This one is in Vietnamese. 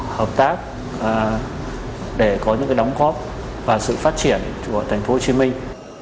hợp tác để có những đóng góp và sự phát triển của thành phố hồ chí minh